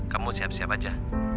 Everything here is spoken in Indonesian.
kamu siap siap aja